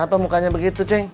kenapa mukanya begitu c